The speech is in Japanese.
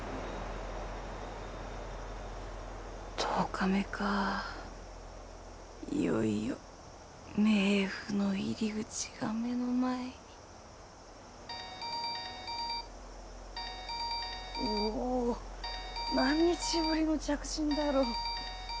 １０日目かいよいよ冥府の入り口が目の前におおっ何日ぶりの着信だろう